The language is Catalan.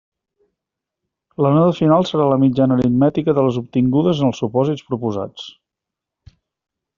La nota final serà la mitjana aritmètica de les obtingudes en els supòsits proposats.